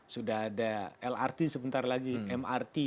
sudah ada lrt sebentar lagi mrt